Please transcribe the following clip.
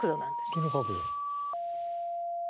どの角度？